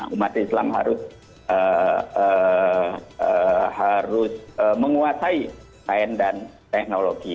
umat islam harus menguasai sains dan teknologi